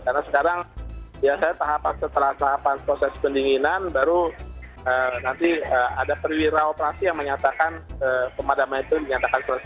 karena sekarang biasanya setelah tahapan proses pendinginan baru nanti ada perwira operasi yang menyatakan pemadaman itu dinyatakan selesai